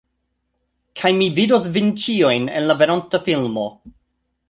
Kaj mi vidos vin ĉiujn en la veronta filmo.